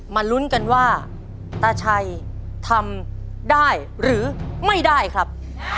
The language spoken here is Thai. ลุ้นกันว่าตาชัยทำได้หรือไม่ได้ครับ